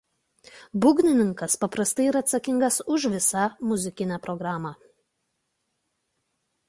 Būgnininkas paprastai yra atsakingas už visą muzikinę programą.